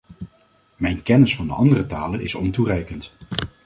Mijn kennis van de andere talen is ontoereikend.